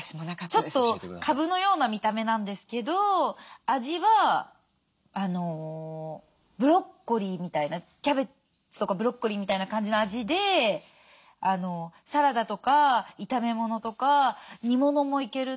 ちょっとカブのような見た目なんですけど味はブロッコリーみたいなキャベツとかブロッコリーみたいな感じの味でサラダとか炒め物とか煮物もいける。